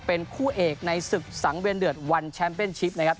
เป็นคู่เอกในศึกสังเวียนเดือดวันแชมป์เป็นชิปนะครับ